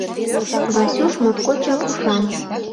Васюш моткочак ушан.